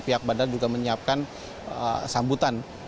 pihak bandara juga menyiapkan sambutan